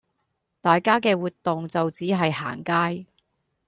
大家嘅活動就只係行街